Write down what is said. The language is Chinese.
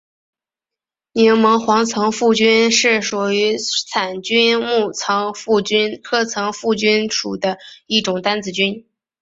柠檬黄层腹菌是属于伞菌目层腹菌科层腹菌属的一种担子菌。